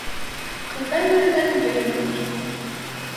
Ҡырҙа йөрөгән ер таныр.